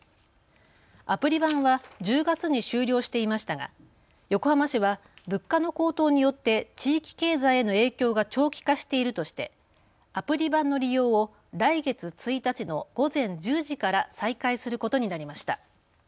アプリ版は１０月に終了していましたが横浜市は物価の高騰によって地域経済への影響が長期化しているとしてアプリ版の利用を来月１日の午前１０時から再開することになりました。